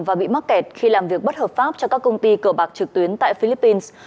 và bị mắc kẹt khi làm việc bất hợp pháp cho các công ty cờ bạc trực tuyến tại philippines